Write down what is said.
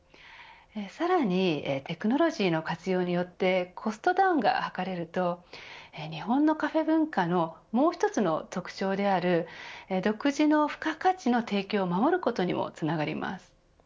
さらに、テクノロジーの活用によってコストダウンが図れると日本のカフェ文化のもう一つの特徴である独自の付加価値の提供を守ることにもつながります。